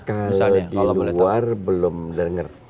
kalau di luar belum denger